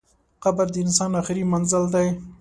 قبر د انسان اخري منزل دئ.